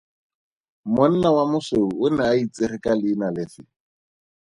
Monna wa mosweu o ne a itsege ka leina lefe?